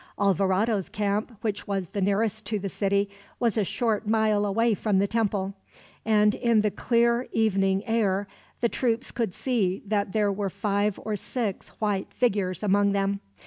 Alvarado's camp, which was the nearest to the city, was a short mile away from the temple; and in the clear evening air the troops could see that there were five or six white figures among them.